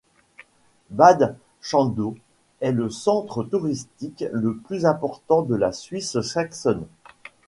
Bad Schandau est le centre touristique le plus important de la Suisse saxonne.